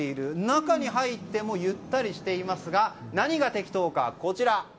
中に入ってもゆったりしていますが何がてきとか。